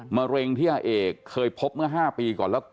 มะเร็งที่อาเอกเคยพบเมื่อ๕ปีก่อนแล้ว